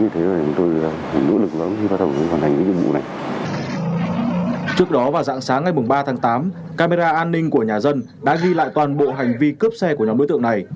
trước đó vào dạng sáng ngày ba tháng tám camera an ninh của nhà dân đã ghi lại toàn bộ hành vi cướp xe của nhóm đối tượng này